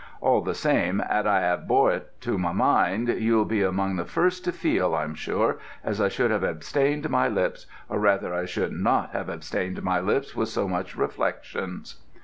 All the same, 'ad I 'ave bore it in my mind, you'll be among the first to feel, I'm sure, as I should have abstained my lips, or rather I should not have abstained my lips with no such reflections."